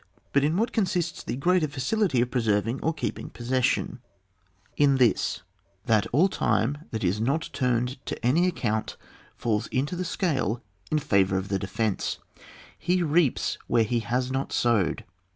But in what consists the greater facility of preserving or keeping possession ? In this, that all time which 68 OJ^ WAR. [book VI. is not turned to any account falls into the scale in favour of the defence. He reaps where he has not sowed.